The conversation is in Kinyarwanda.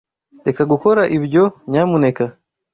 Reka gukora ibyo, nyamuneka.